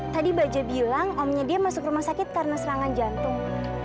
tadi baja bilang omnya dia masuk rumah sakit karena serangan jantung